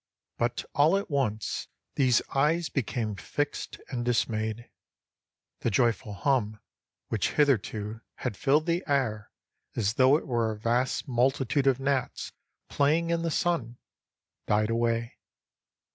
But all at once these eyes became fixed and dismayed ; the joyful hum, which hitherto had filled the air as though it were a vast multitude of gnats playing in the sun, died away.